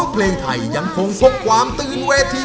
เพลงไทยยังคงทรงความตื่นเวที